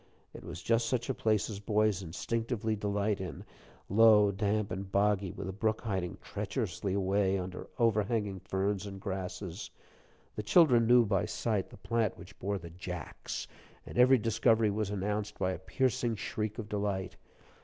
It was just such a place as boys instinctively delight in low, damp, and boggy, with a brook hiding treacherously away under overhanging ferns and grasses. The children knew by sight the plant which bore the "Jacks," and every discovery was announced by a piercing shriek of delight.